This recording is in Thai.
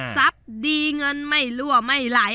ทรัพย์ดีเงินไม่รั่วไม่ไหล